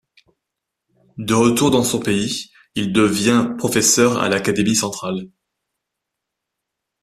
De retour dans son pays, il devient professeur à l'Académie Centrale.